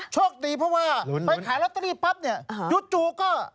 โชคดีเพราะว่าไปขายลอตเตอรี่ปั๊บหยุดก็หยุดก็หยุดก็หยุดก็